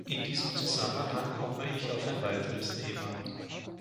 In diesem Zusammenhang komme ich auf ein weiteres Thema.